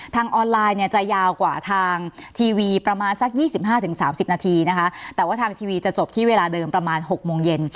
ทางออนไลน์เนี่ยจะยาวกว่าทางทีวีประมาณสัก๒๕๓๐นาทีนะคะแต่ว่าทางทีวีจะจบที่เวลาเดิมประมาณ๖โมงเย็น